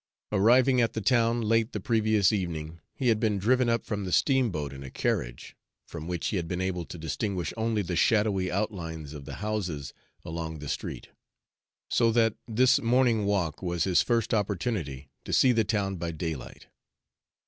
Arriving at the town late the previous evening, he had been driven up from the steamboat in a carriage, from which he had been able to distinguish only the shadowy outlines of the houses along the street; so that this morning walk was his first opportunity to see the town by daylight.